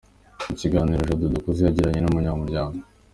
Mu kiganiro Jado Dukuze yagiranye na Umuryango.